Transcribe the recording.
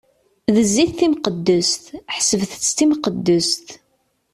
D zzit timqeddest, ḥesbet-tt d timqeddest.